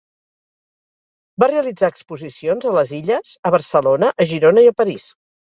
Va realitzar exposicions a les illes, a Barcelona, a Girona i a París.